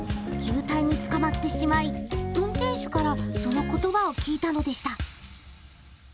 渋滞につかまってしまい運転手からその言葉を聞いたのでした。